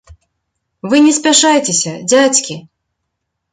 Вы не спяшайце, дзядзькі.